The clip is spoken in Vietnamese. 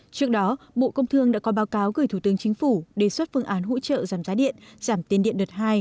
trước đó bộ công thương đã có báo cáo gửi thủ tướng chính phủ đề xuất phương án hỗ trợ giảm giá điện giảm tiền điện đợt hai